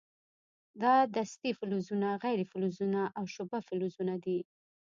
دا دستې فلزونه، غیر فلزونه او شبه فلزونه دي.